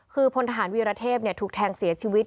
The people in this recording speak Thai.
คือพลทหารวีรเทพถูกแทงเสียชีวิต